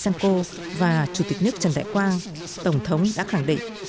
tổng thống lukashenko và chủ tịch nước trần đại quang tổng thống đã khẳng định